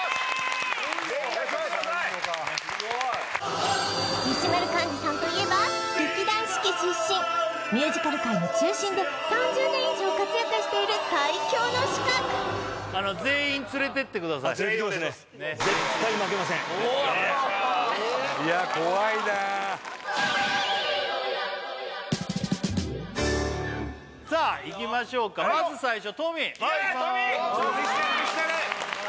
全員やっちゃってください石丸幹二さんといえば劇団四季出身ミュージカル界の中心で３０年以上活躍している最強の刺客全員連れてってください連れていきますねいや怖いなさあいきましょうかまず最初トミーはいいきます